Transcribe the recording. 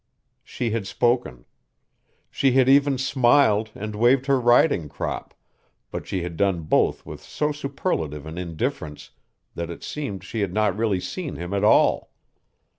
She had spoken. She had even smiled and waved her riding crop, but she had done both with so superlative an indifference that it seemed she had not really seen him at all.